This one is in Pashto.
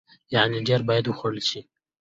يعنې ډیر باید وخوړل شي.